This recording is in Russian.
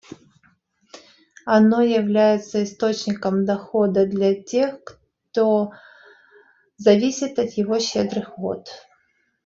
Оно является источником дохода для тех, кто зависит от его щедрых вод.